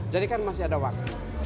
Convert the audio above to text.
jadi kan masih ada waktu